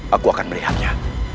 aku akan melihatnya